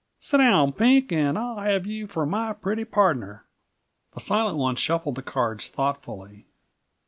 Set down, Pink, and I'll have you for my pretty pardner." The Silent One shuffled the cards thoughtfully.